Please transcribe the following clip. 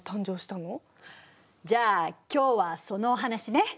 じゃあ今日はそのお話ね。